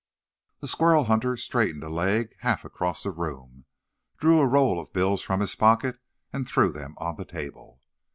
'" The squirrel hunter straightened a leg half across the room, drew a roll of bills from his pocket, and threw them on the table.